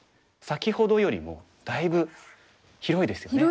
先ほどよりもだいぶ広いですよね。